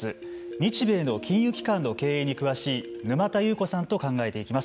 日米の金融機関の経営に詳しい沼田優子さんと考えていきます。